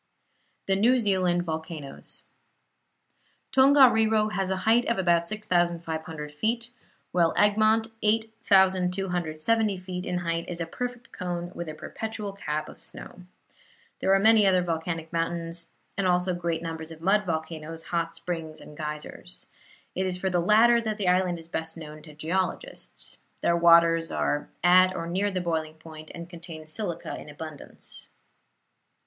THE NEW ZEALAND VOLCANOES Tongariro has a height of about 6,500 feet, while Egmont, 8,270 feet in height, is a perfect cone with a perpetual cap of snow. There are many other volcanic mountains, and also great numbers of mud volcanoes, hot springs and geysers. It is for the latter that the island is best known to geologists. Their waters are at or near the boiling point and contain silica in abundance.